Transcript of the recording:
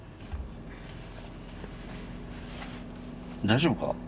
大丈夫か？